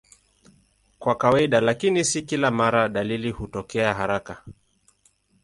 Kwa kawaida, lakini si kila mara, dalili hutokea haraka.